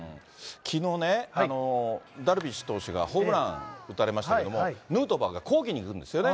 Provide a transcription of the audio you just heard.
きのうね、ダルビッシュ投手がホームラン打たれましたけども、ヌートバーが抗議に行くんですよね。